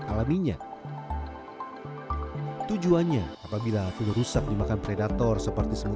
k align men lapis lapis kearetan yang terkenal di bawah surat tarot